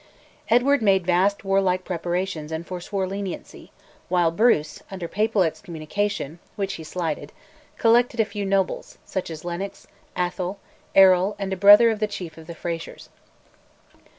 Edward made vast warlike preparations and forswore leniency, while Bruce, under papal excommunication, which he slighted, collected a few nobles, such as Lennox, Atholl, Errol, and a brother of the chief of the Frazers.